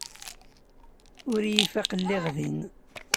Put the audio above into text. Ur iyi-ifaq lliɣ din.